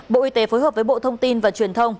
bộ y tế phối hợp với bộ thông tin và truyền thông